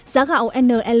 giá gạo nl